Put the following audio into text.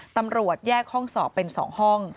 ตำรวจแยกห้องสอบเป็น๒ห้อง